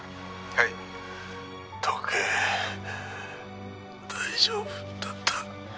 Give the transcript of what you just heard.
「はい」「時計大丈夫だった？」